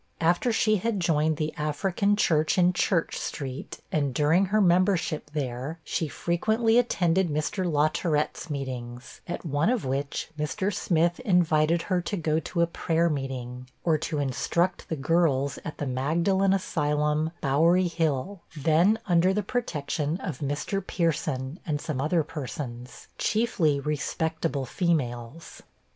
After she had joined the African Church in Church street, and during her membership there, she frequently attended Mr. Latourette's meetings, at one of which, Mr. Smith invited her to go to a prayer meeting, or to instruct the girls at the Magdalene Asylum, Bowery Hill, then under the protection of Mr. Pierson, and some other persons, chiefly respectable females.